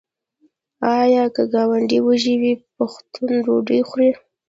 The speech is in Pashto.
آیا که ګاونډی وږی وي پښتون ډوډۍ خوري؟